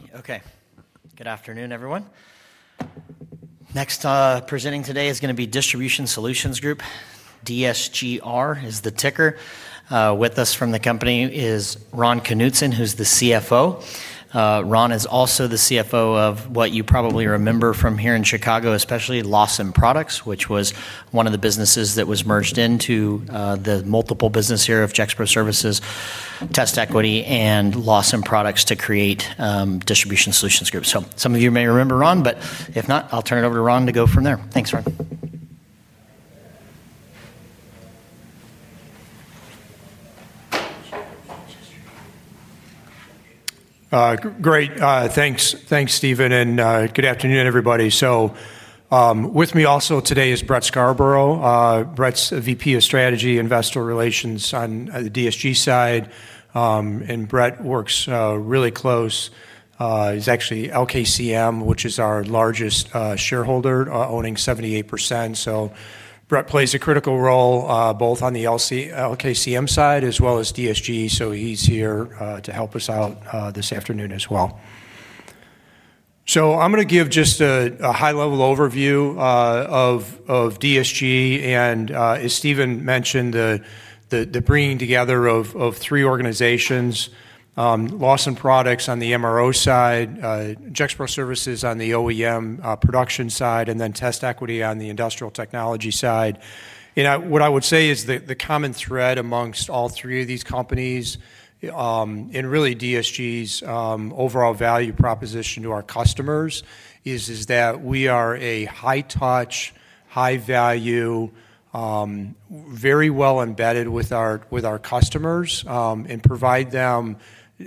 Right, okay. Good afternoon, everyone. Next presenting today is going to be Distribution Solutions Group. DSGR is the ticker. With us from the company is Ron Knutson, who's the CFO. Ron is also the CFO of what you probably remember from here in Chicago, especially Lawson Products, which was one of the businesses that was merged into the multiple business here of Gexpro Services, TestEquity Group, and Lawson Products to create Distribution Solutions Group. Some of you may remember Ron, but if not, I'll turn it over to Ron to go from there. Thanks, Ron. Great, thanks, Steven, and good afternoon, everybody. With me also today is Brett Scarborough. Brett's Vice President of Strategy, Investor Relations on the DSGR side, and Brett works really close. He's actually LKCM, which is our largest shareholder, owning 78%. Brett plays a critical role both on the LKCM side as well as DSGR, so he's here to help us out this afternoon as well. I'm going to give just a high-level overview of DSG and as Steven mentioned, the bringing together of three organizations: Lawson Products on the MRO side, Gexpro Services on the OEM production side, and then TestEquity on the industrial technology side. What I would say is the common thread amongst all three of these companies, and really DSG's overall value proposition to our customers, is that we are a high-touch, high-value, very well-embedded with our customers and provide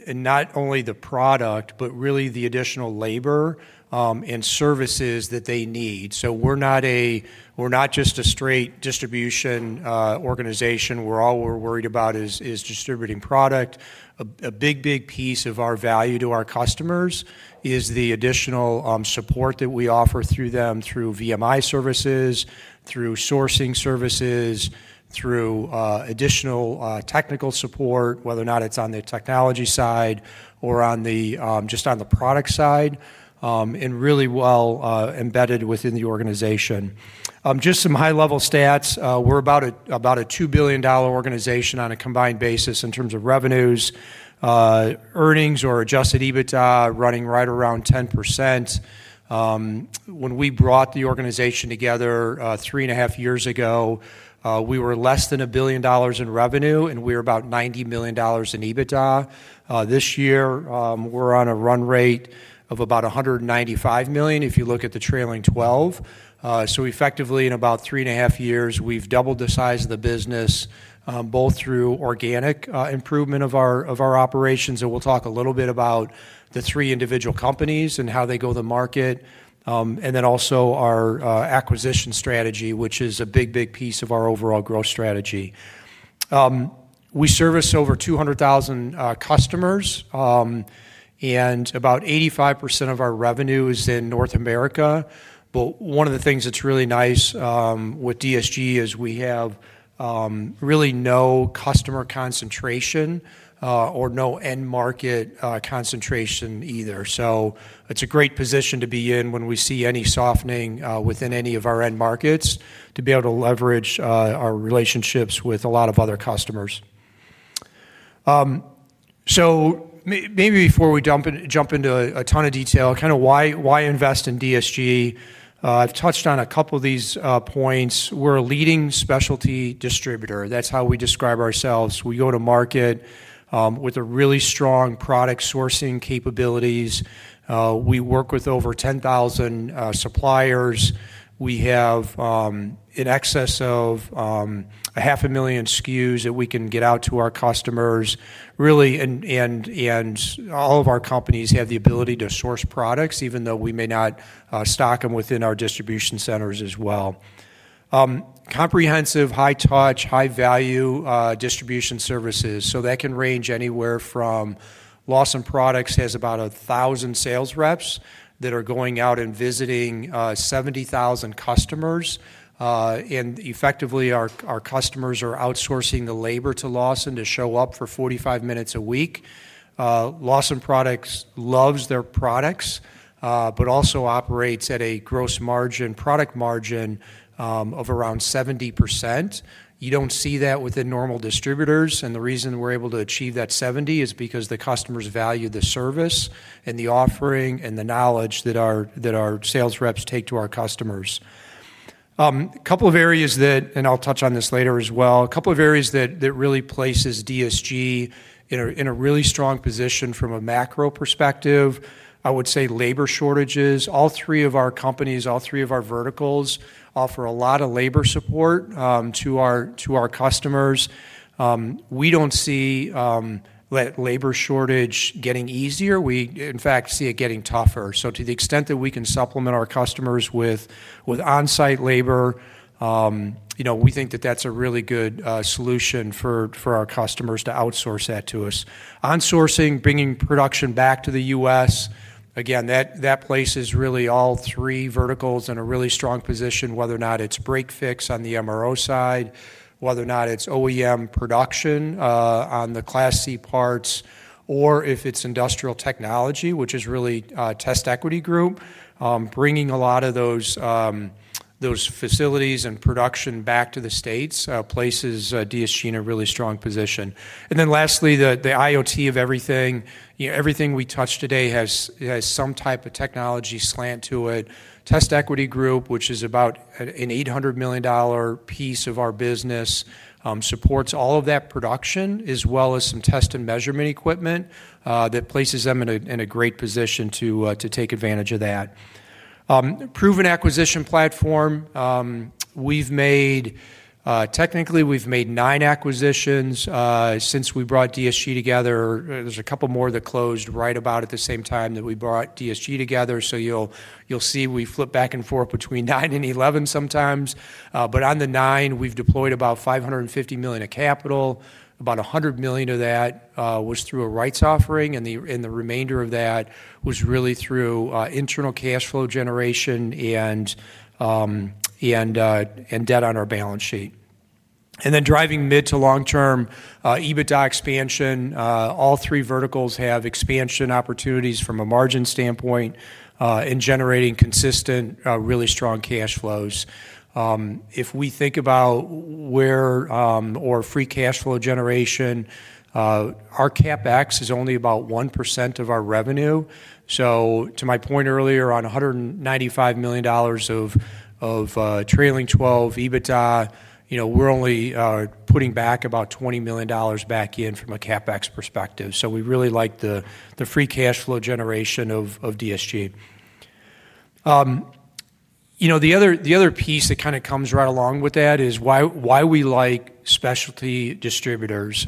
them not only the product, but really the additional labor and services that they need. We're not just a straight distribution organization where all we're worried about is distributing product. A big, big piece of our value to our customers is the additional support that we offer through them, through VMI services, through sourcing services, through additional technical support, whether or not it's on the technology side or just on the product side, and really well-embedded within the organization. Just some high-level stats, we're about a $2 billion organization on a combined basis in terms of revenues, earnings, or adjusted EBITDA running right around 10%. When we brought the organization together three and a half years ago, we were less than a billion dollars in revenue, and we were about $90 million in EBITDA. This year, we're on a run rate of about $195 million if you look at the trailing 12. Effectively, in about three and a half years, we've doubled the size of the business, both through organic improvement of our operations, and we'll talk a little bit about the three individual companies and how they go to market, and then also our acquisition strategy, which is a big, big piece of our overall growth strategy. We service over 200,000 customers, and about 85% of our revenue is in North America, but one of the things that's really nice with DSG is we have really no customer concentration or no end market concentration either. It's a great position to be in when we see any softening within any of our end markets to be able to leverage our relationships with a lot of other customers. Maybe before we jump into a ton of detail, kind of why invest in DSG? I've touched on a couple of these points. We're a leading specialty distributor. That's how we describe ourselves. We go to market with really strong product sourcing capabilities. We work with over 10,000 suppliers. We have in excess of 500,000 SKUs that we can get out to our customers. Really, all of our companies have the ability to source products, even though we may not stock them within our distribution centers as well. Comprehensive, high-touch, high-value distribution services can range anywhere from Lawson Products has about 1,000 sales reps that are going out and visiting 70,000 customers, and effectively, our customers are outsourcing the labor to Lawson to show up for 45 minutes a week. Lawson Products loves their products, but also operates at a gross margin, product margin of around 70%. You don't see that within normal distributors, and the reason we're able to achieve that 70% is because the customers value the service and the offering and the knowledge that our sales reps take to our customers. A couple of areas that, and I'll touch on this later as well, a couple of areas that really place DSG in a really strong position from a macro perspective, I would say labor shortages. All three of our companies, all three of our verticals offer a lot of labor support to our customers. We don't see that labor shortage getting easier. We, in fact, see it getting tougher. To the extent that we can supplement our customers with onsite labor, we think that that's a really good solution for our customers to outsource that to us. Onshoring, bringing production back to the U.S., again, that places really all three verticals in a really strong position, whether or not it's break-fix on the MRO side, whether or not it's OEM production on the Class C parts, or if it's industrial technology, which is really TestEquity Group, bringing a lot of those facilities and production back to the States places DSG in a really strong position. Lastly, the IoT of everything. Everything we touch today has some type of technology slant to it. TestEquity Group, which is about an $800 million piece of our business, supports all of that production as well as some test and measurement equipment that places them in a great position to take advantage of that. Proven acquisition platform. Technically, we've made nine acquisitions since we brought DSG together. There's a couple more that closed right about at the same time that we brought DSG together, so you'll see we flip back and forth between nine and 11 sometimes. On the nine, we've deployed about $550 million of capital. About $100 million of that was through a rights offering, and the remainder of that was really through internal cash flow generation and debt on our balance sheet. Driving mid to long-term EBITDA expansion, all three verticals have expansion opportunities from a margin standpoint and generating consistent, really strong cash flows. If we think about where our free cash flow generation, our CapEx is only about 1% of our revenue. To my point earlier on $195 million of trailing 12 EBITDA, we're only putting back about $20 million back in from a CapEx perspective. We really like the free cash flow generation of DSG. The other piece that kind of comes right along with that is why we like specialty distributors.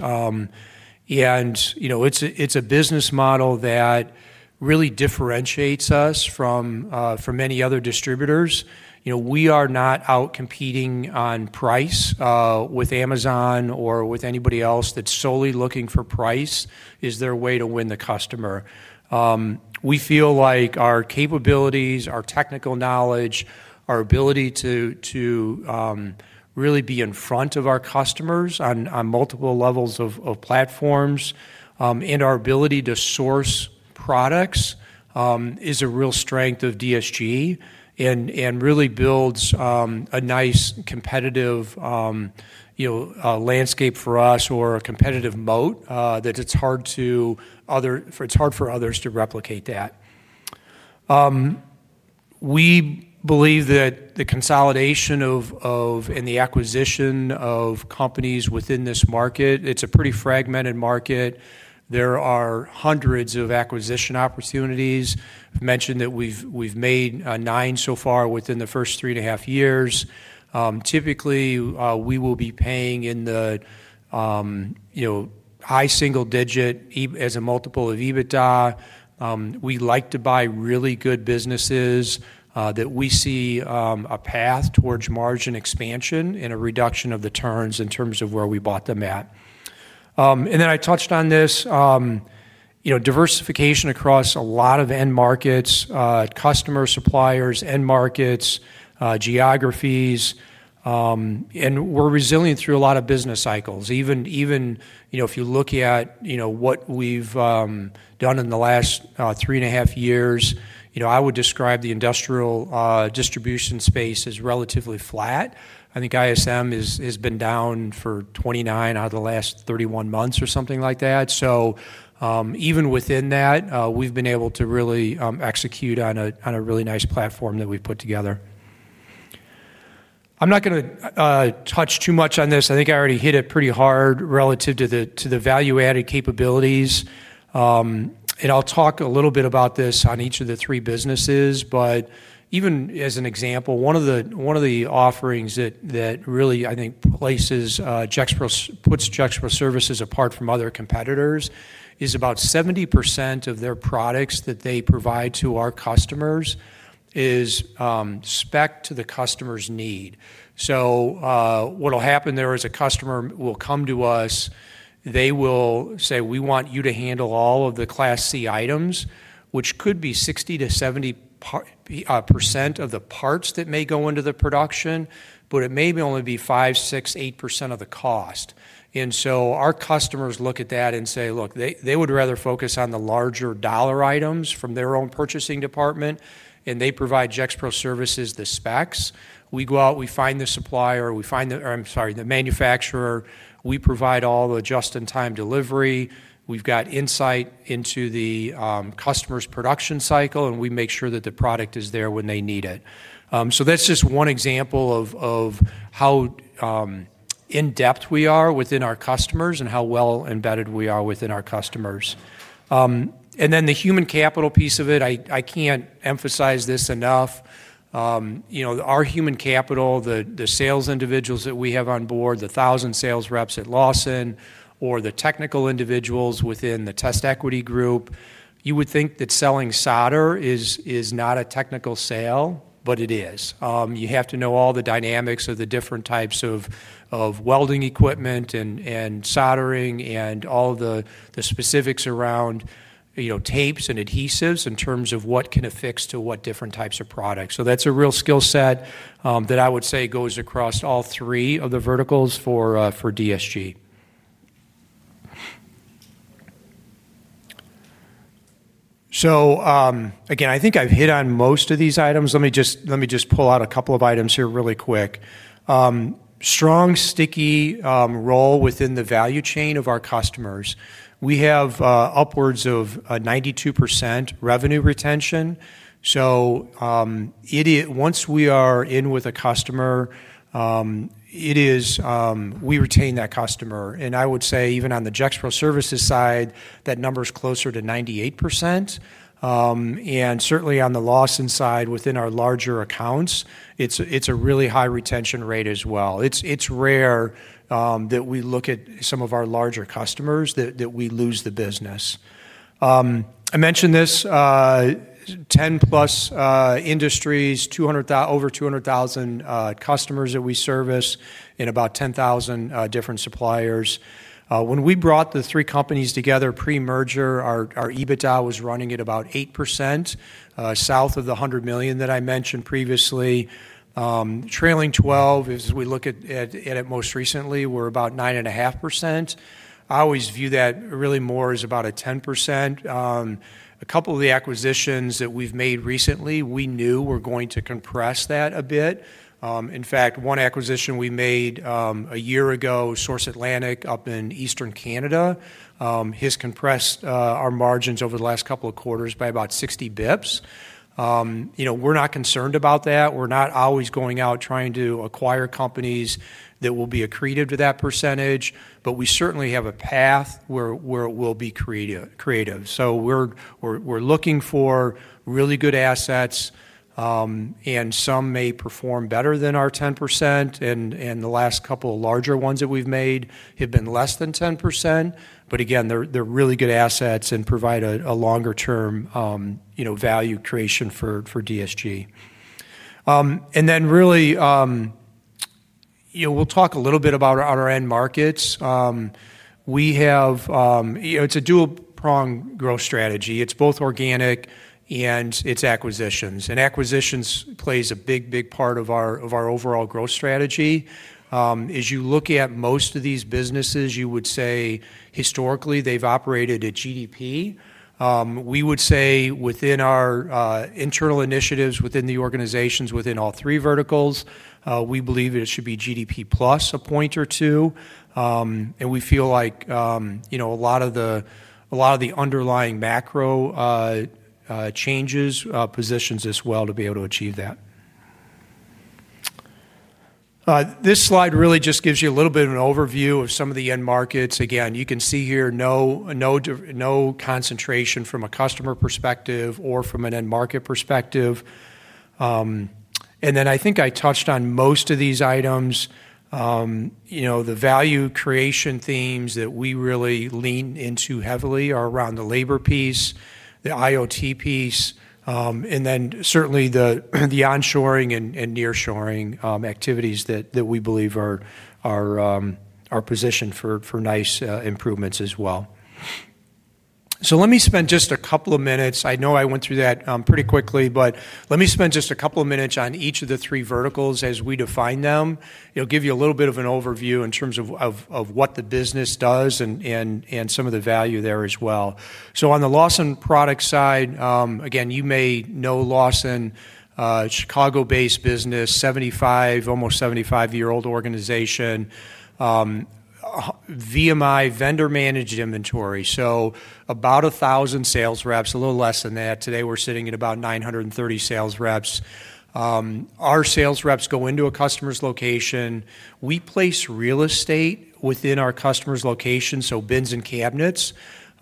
It's a business model that really differentiates us from many other distributors. We are not out competing on price with Amazon or with anybody else that's solely looking for price as their way to win the customer. We feel like our capabilities, our technical knowledge, our ability to really be in front of our customers on multiple levels of platforms, and our ability to source products is a real strength of DSG and really builds a nice competitive landscape for us or a competitive moat that it's hard for others to replicate that. We believe that the consolidation and the acquisition of companies within this market, it's a pretty fragmented market. There are hundreds of acquisition opportunities. I mentioned that we've made nine so far within the first three and a half years. Typically, we will be paying in the high single digit as a multiple of EBITDA. We like to buy really good businesses that we see a path towards margin expansion and a reduction of the turns in terms of where we bought them at. I touched on this, diversification across a lot of end markets, customers, suppliers, end markets, geographies, and we're resilient through a lot of business cycles. Even if you look at what we've done in the last three and a half years, I would describe the industrial distribution space as relatively flat. I think ISM has been down for 29 out of the last 31 months or something like that. Even within that, we've been able to really execute on a really nice platform that we've put together. I'm not going to touch too much on this. I think I already hit it pretty hard relative to the value-added capabilities. I'll talk a little bit about this on each of the three businesses, but even as an example, one of the offerings that really, I think, places Gexpro Services apart from other competitors is about 70% of their products that they provide to our customers is specced to the customer's need. What'll happen there is a customer will come to us, they will say, "We want you to handle all of the Class C items," which could be 60%-70% of the parts that may go into the production, but it may only be 5%, 6%, 8% of the cost. Our customers look at that and say, "Look, they would rather focus on the larger dollar items from their own purchasing department, and they provide Gexpro Services the specs." We go out, we find the supplier, we find the manufacturer, we provide all the just-in-time delivery, we've got insight into the customer's production cycle, and we make sure that the product is there when they need it. That's just one example of how in-depth we are within our customers and how well-embedded we are within our customers. The human capital piece of it, I can't emphasize this enough. Our human capital, the sales individuals that we have on board, the thousand sales reps at Lawson or the technical individuals within the TestEquity Group, you would think that selling solder is not a technical sale, but it is. You have to know all the dynamics of the different types of welding equipment and soldering and all the specifics around tapes and adhesives in terms of what can affix to what different types of products. That's a real skill set that I would say goes across all three of the verticals for DSG. I think I've hit on most of these items. Let me just pull out a couple of items here really quick. Strong, sticky role within the value chain of our customers. We have upwards of 92% revenue retention. Once we are in with a customer, we retain that customer. I would say even on the Gexpro Services side, that number's closer to 98%. Certainly on the Lawson side within our larger accounts, it's a really high retention rate as well. It's rare that we look at some of our larger customers that we lose the business. I mentioned this, 10+ industries, over 200,000 customers that we service and about 10,000 different suppliers. When we brought the three companies together pre-merger, our EBITDA was running at about 8% south of the $100 million that I mentioned previously. Trailing 12, as we look at it most recently, we're about 9.5%. I always view that really more as about a 10%. A couple of the acquisitions that we've made recently, we knew were going to compress that a bit. In fact, one acquisition we made a year ago, Source Atlantic up in Eastern Canada, has compressed our margins over the last couple of quarters by about 60 basis points. We're not concerned about that. We're not always going out trying to acquire companies that will be accretive to that percentage, but we certainly have a path where it will be accretive. We're looking for really good assets, and some may perform better than our 10%, and the last couple of larger ones that we've made have been less than 10%. Again, they're really good assets and provide a longer-term value creation for DSG. You know, we'll talk a little bit about our end markets. We have, you know, it's a dual-prong growth strategy. It's both organic and it's acquisitions. Acquisitions play a big, big part of our overall growth strategy. As you look at most of these businesses, you would say historically they've operated at GDP. We would say within our internal initiatives within the organizations within all three verticals, we believe it should be GDP plus a point or two. We feel like a lot of the underlying macro changes positions us well to be able to achieve that. This slide really just gives you a little bit of an overview of some of the end markets. Again, you can see here no concentration from a customer perspective or from an end market perspective. I think I touched on most of these items. The value creation themes that we really lean into heavily are around the labor piece, the IoT piece, and then certainly the onshoring and nearshoring activities that we believe are positioned for nice improvements as well. Let me spend just a couple of minutes. I know I went through that pretty quickly, but let me spend just a couple of minutes on each of the three verticals as we define them. It'll give you a little bit of an overview in terms of what the business does and some of the value there as well. On the Lawson Products side, you may know Lawson, a Chicago-based business, almost 75-year-old organization, VMI, vendor-managed inventory. About 1,000 sales reps, a little less than that. Today, we're sitting at about 930 sales reps. Our sales reps go into a customer's location. We place real estate within our customer's location, so bins and cabinets.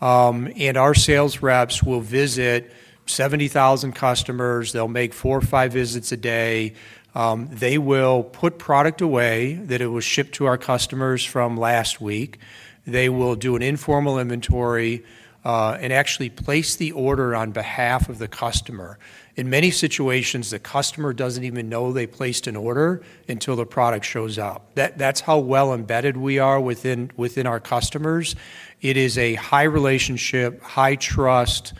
Our sales reps will visit 70,000 customers. They'll make four or five visits a day. They will put product away that was shipped to our customers from last week. They will do an informal inventory and actually place the order on behalf of the customer. In many situations, the customer doesn't even know they placed an order until the product shows up. That's how well-embedded we are within our customers. It is a high relationship, high trust.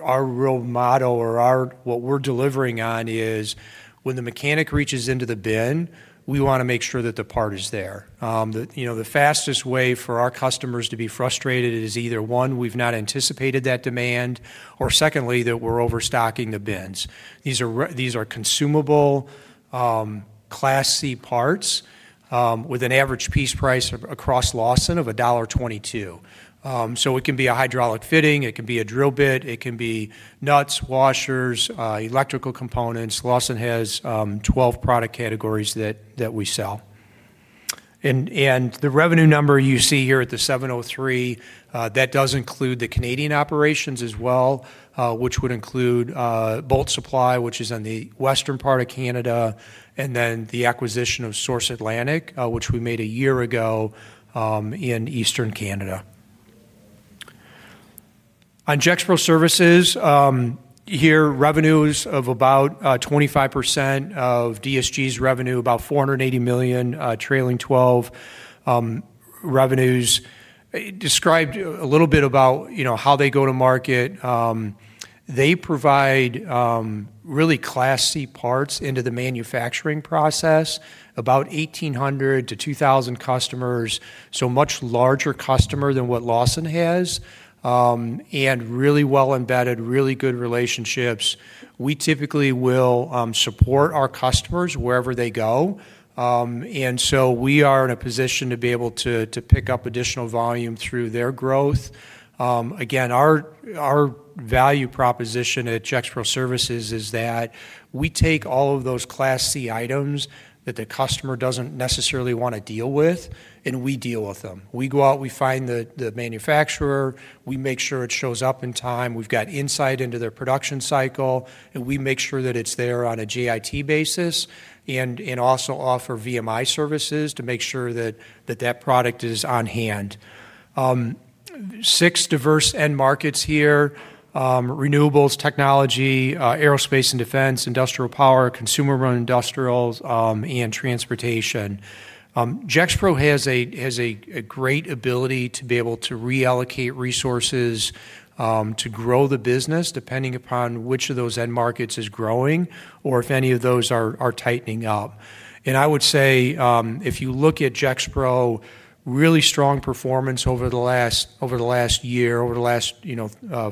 Our real motto or what we're delivering on is when the mechanic reaches into the bin, we want to make sure that the part is there. The fastest way for our customers to be frustrated is either, one, we've not anticipated that demand, or, secondly, that we're overstocking the bins. These are consumable Class C parts with an average piece price across Lawson of $1.22. It can be a hydraulic fitting, it can be a drill bit, it can be nuts, washers, electrical components. Lawson has 12 product categories that we sell. The revenue number you see here at the $703 million, that does include the Canadian operations as well, which would include Bolt Supply, which is in the western part of Canada, and then the acquisition of Source Atlantic, which we made a year ago in Eastern Canada. On Gexpro Services, here, revenues of about 25% of DSG's revenue, about $480 million trailing 12 revenues. I described a little bit about how they go to market. They provide really Class C parts into the manufacturing process, about 1,800-2,000 customers, so a much larger customer than what Lawson has, and really well-embedded, really good relationships. We typically will support our customers wherever they go. We are in a position to be able to pick up additional volume through their growth. Our value proposition at Gexpro Services is that we take all of those Class C items that the customer doesn't necessarily want to deal with, and we deal with them. We go out, we find the manufacturer, we make sure it shows up in time, we've got insight into their production cycle, and we make sure that it's there on a JIT basis, and also offer VMI services to make sure that that product is on hand. Six diverse end markets here: renewables, technology, aerospace and defense, industrial power, consumer-run industrials, and transportation. Gexpro has a great ability to be able to reallocate resources to grow the business depending upon which of those end markets is growing or if any of those are tightening up. I would say if you look at Gexpro, really strong performance over the last year, over the last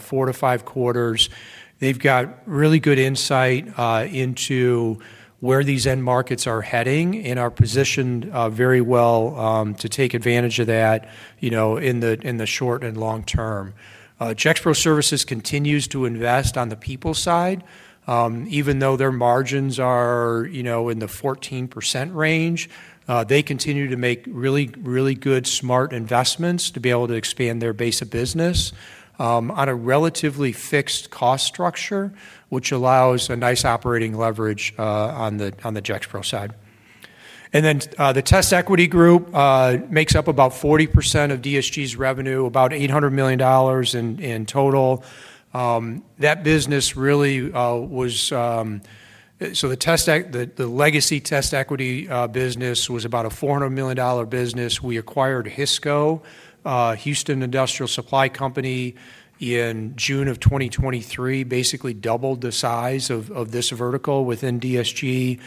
four to five quarters, they've got really good insight into where these end markets are heading and are positioned very well to take advantage of that in the short and long term. Gexpro Services continues to invest on the people side. Even though their margins are in the 14% range, they continue to make really, really good, smart investments to be able to expand their base of business on a relatively fixed cost structure, which allows a nice operating leverage on the Gexpro side. The TestEquity Group makes up about 40% of Distribution Solutions Group's revenue, about $800 million in total. That business really was, so the legacy TestEquity business was about a $400 million business. We acquired HISCO, Houston Industrial Supply Company, in June of 2023, basically doubled the size of this vertical within DSG.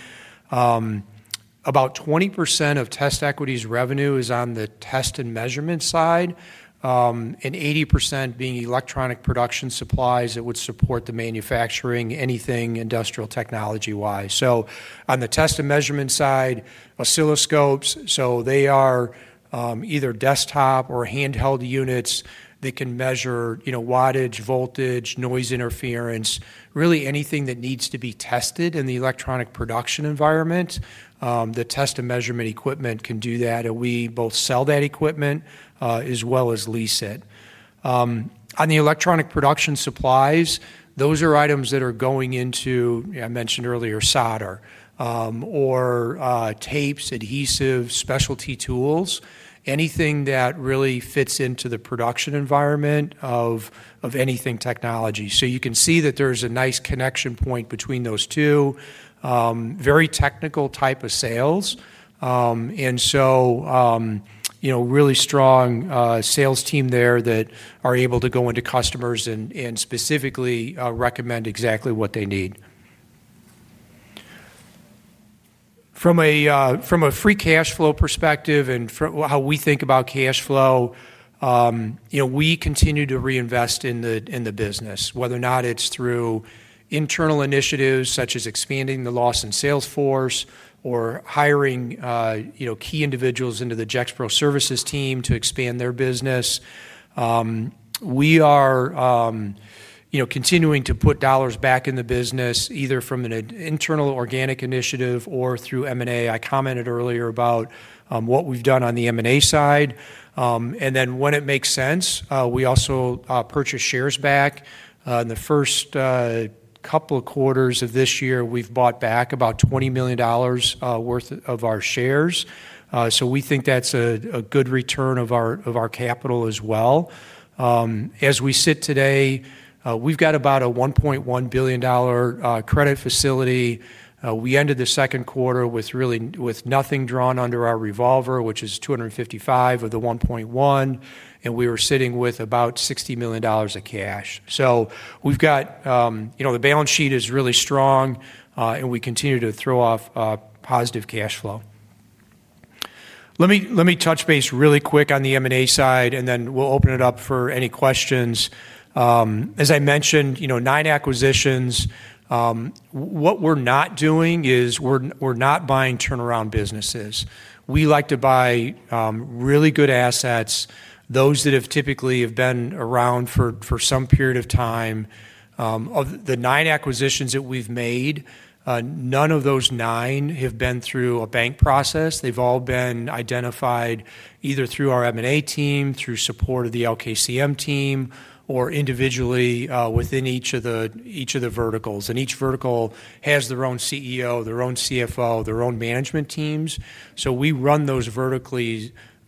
About 20% of TestEquity's revenue is on the test and measurement side, and 80% being electronic production supplies that would support the manufacturing, anything industrial technology-wise. On the test and measurement side, oscilloscopes, so they are either desktop or handheld units that can measure wattage, voltage, noise interference, really anything that needs to be tested in the electronic production environment. The test and measurement equipment can do that, and we both sell that equipment as well as lease it. On the electronic production supplies, those are items that are going into, I mentioned earlier, solder, or tapes, adhesives, specialty tools, anything that really fits into the production environment of anything technology. You can see that there's a nice connection point between those two, very technical type of sales. Really strong sales team there that are able to go into customers and specifically recommend exactly what they need. From a free cash flow perspective and how we think about cash flow, we continue to reinvest in the business, whether or not it's through internal initiatives such as expanding the Lawson sales force or hiring key individuals into the Gexpro Services team to expand their business. We are continuing to put dollars back in the business, either from an internal organic initiative or through M&A. I commented earlier about what we've done on the M&A side. When it makes sense, we also purchase shares back. In the first couple of quarters of this year, we've bought back about $20 million worth of our shares. We think that's a good return of our capital as well. As we sit today, we've got about a $1.1 billion credit facility. We ended the second quarter with nothing drawn under our revolver, which is $255 million of the $1.1 billion, and we were sitting with about $60 million of cash. We've got, you know, the balance sheet is really strong, and we continue to throw off positive cash flow. Let me touch base really quick on the M&A side, and then we'll open it up for any questions. As I mentioned, nine acquisitions. What we're not doing is we're not buying turnaround businesses. We like to buy really good assets, those that have typically been around for some period of time. Of the nine acquisitions that we've made, none of those nine have been through a bank process. They've all been identified either through our M&A team, through support of the LKCM team, or individually within each of the verticals. Each vertical has their own CEO, their own CFO, their own management teams. We run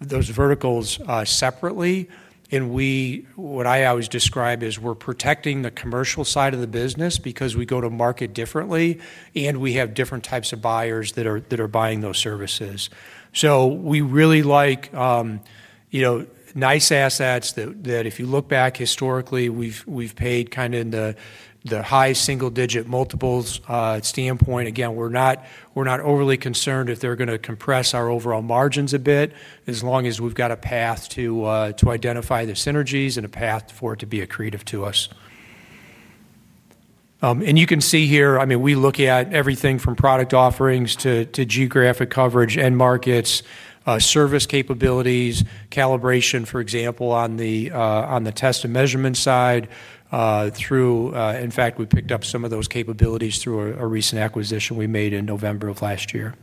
those verticals separately, and what I always describe is we're protecting the commercial side of the business because we go to market differently, and we have different types of buyers that are buying those services. We really like, you know, nice assets that if you look back historically, we've paid kind of in the high single-digit multiples standpoint. We're not overly concerned if they're going to compress our overall margins a bit, as long as we've got a path to identify the synergies and a path for it to be accretive to us. You can see here, I mean, we look at everything from product offerings to geographic coverage, end markets, service capabilities, calibration, for example, on the test and measurement side. In fact, we picked up some of those capabilities through a recent acquisition we made in November of last year.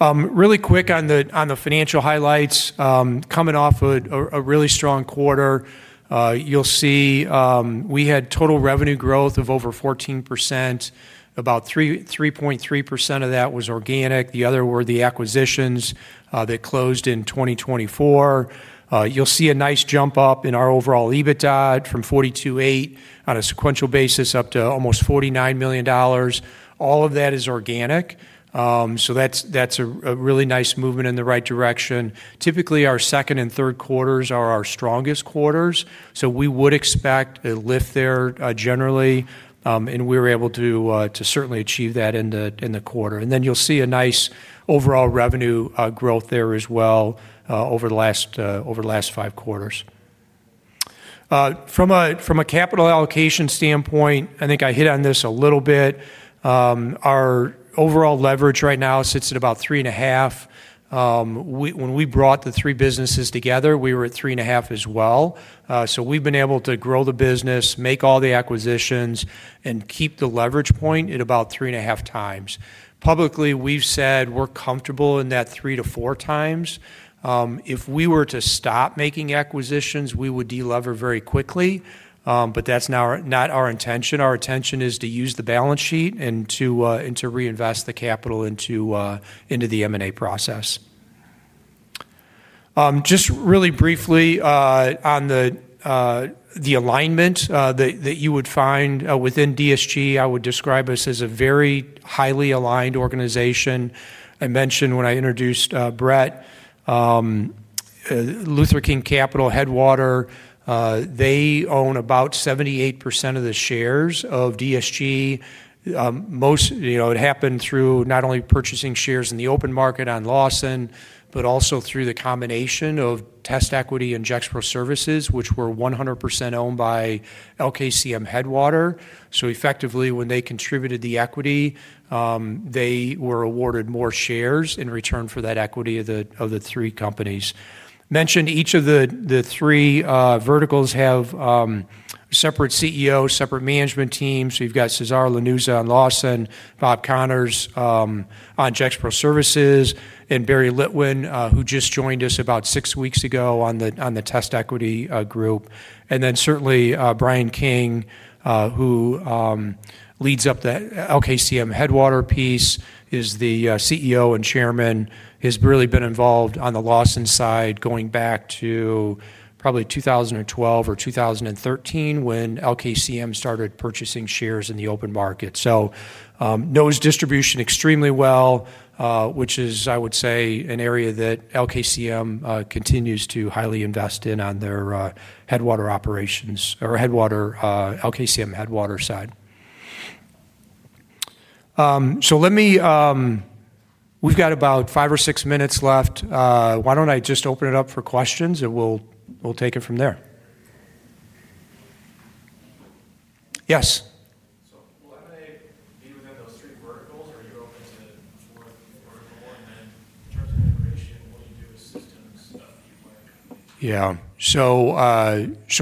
Really quick on the financial highlights, coming off a really strong quarter, you'll see we had total revenue growth of over 14%. About 3.3% of that was organic. The other were the acquisitions that closed in 2024. You'll see a nice jump up in our overall EBITDA from $42.8 million on a sequential basis up to almost $49 million. All of that is organic. That's a really nice movement in the right direction. Typically, our second and third quarters are our strongest quarters. We would expect a lift there generally, and we were able to certainly achieve that in the quarter. You'll see a nice overall revenue growth there as well over the last five quarters. From a capital allocation standpoint, I think I hit on this a little bit. Our overall leverage right now sits at about three and a half When we brought the three businesses together, we were three and a half as well. We've been able to grow the business, make all the acquisitions, and keep the leverage point at about 3.5x. Publicly, we've said we're comfortable in that 3x to 4x. If we were to stop making acquisitions, we would delever very quickly, but that's not our intention. Our intention is to use the balance sheet and to reinvest the capital into the M&A process. Just really briefly on the alignment that you would find within DSG, I would describe us as a very highly aligned organization. I mentioned when I introduced Brett, Luther King Capital Headwater, they own about 78% of the shares of DSG. Most, you know, it happened through not only purchasing shares in the open market on Lawson, but also through the combination of TestEquity and Gexpro Services, which were 100% owned by LKCM Headwater. Effectively, when they contributed the equity, they were awarded more shares in return for that equity of the three companies. Each of the three verticals have separate CEOs, separate management teams. You've got Cesar Lanuza on Lawson Products, Bob Connors on Gexpro Services, and Barry Litwin, who just joined us about six weeks ago on the TestEquity Group. Bryan King, who leads up the LKCM Headwater piece, is the CEO and Chairman, has really been involved on the Lawson side going back to probably 2012 or 2013 when LKCM started purchasing shares in the open market. He knows distribution extremely well, which is, I would say, an area that LKCM continues to highly invest in on their Headwater operations or LKCM Headwater side. Let me, we've got about five or six minutes left. Why don't I just open it up for questions, and we'll take it from there. Yes. Will M&A be within those three verticals, or are you open to a fourth vertical then? Yeah,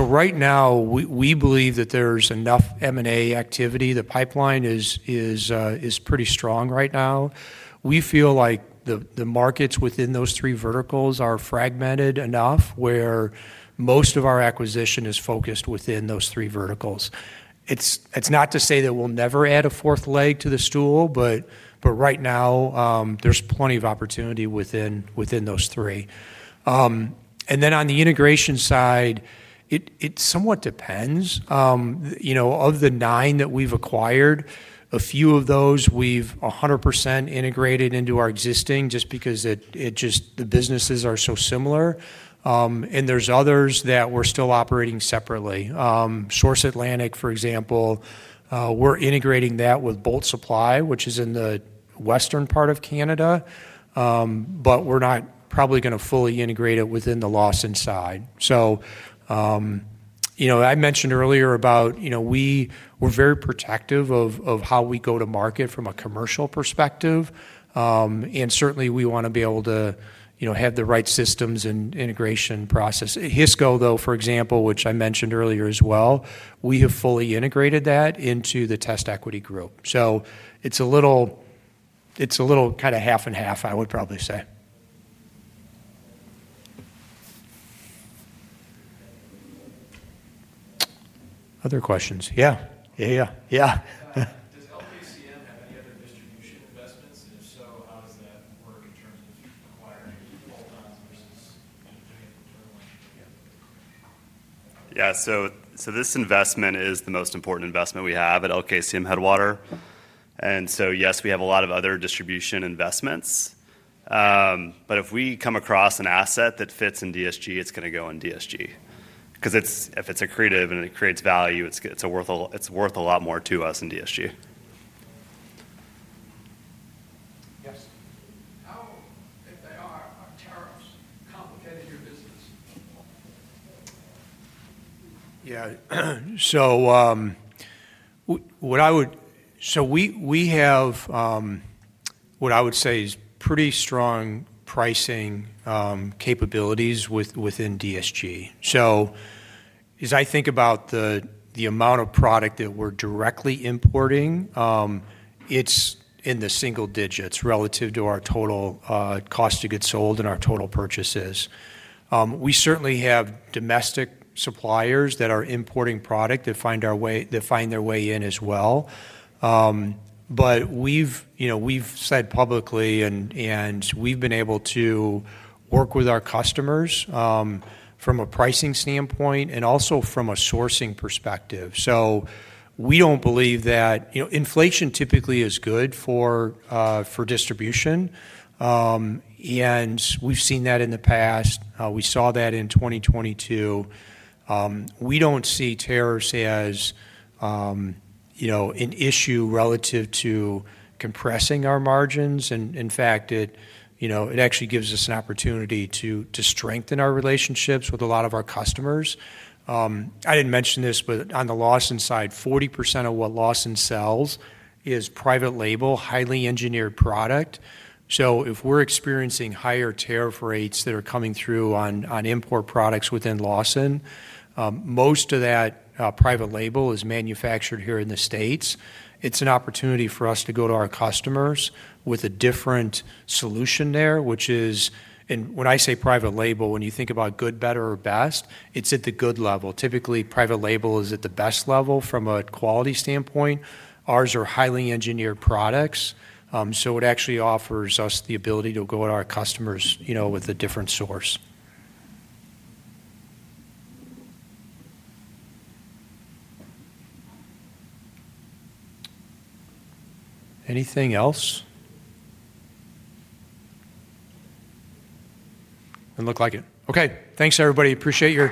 right now, we believe that there's enough M&A activity. The pipeline is pretty strong right now. We feel like the markets within those three verticals are fragmented enough where most of our acquisition is focused within those three verticals. It's not to say that we'll never add a fourth leg to the stool, but right now, there's plenty of opportunity within those three. On the integration side, it somewhat depends. Of the nine that we've acquired, a few of those we've 100% integrated into our existing just because the businesses are so similar. There are others that we're still operating separately. Source Atlantic, for example, we're integrating that with Bolt Supply, which is in the western part of Canada, but we're not probably going to fully integrate it within the Lawson side. I mentioned earlier about, you know, we're very protective of how we go to market from a commercial perspective. Certainly, we want to be able to have the right systems and integration process. HISCO, for example, which I mentioned earlier as well, we have fully integrated that into the TestEquity Group. It's a little kind of half and half, I would probably say. Other questions? Yeah, yeah, yeah, yeah. Does LKCM have any other distribution investments? If so, how is that going to determine the future? Yeah, so this investment is the most important investment we have at LKCM Headwater. Yes, we have a lot of other distribution investments, but if we come across an asset that fits in DSG it's going to go in DSG because if it's accretive and it creates value, it's worth a lot more to us in DSG. Yep. How are tariffs complicating your business? Yeah, so what I would say is we have pretty strong pricing capabilities within DSG. As I think about the amount of product that we're directly importing, it's in the single digits relative to our total cost to get sold and our total purchases. We certainly have domestic suppliers that are importing product that find their way in as well. We've said publicly, and we've been able to work with our customers from a pricing standpoint and also from a sourcing perspective. We don't believe that inflation typically is good for distribution. We've seen that in the past. We saw that in 2022. We don't see tariffs as an issue relative to compressing our margins. In fact, it actually gives us an opportunity to strengthen our relationships with a lot of our customers. I didn't mention this, but on the Lawson side, 40% of what Lawson sells is private label, highly engineered product. If we're experiencing higher tariff rates that are coming through on import products within Lawson, most of that private label is manufactured here in the States. It's an opportunity for us to go to our customers with a different solution there, which is, and when I say private label, when you think about good, better, or best, it's at the good level. Typically, private label is at the best level from a quality standpoint. Ours are highly engineered products. It actually offers us the ability to go to our customers with a different source. Anything else? It doesn't look like it. Okay, thanks everybody. Appreciate your.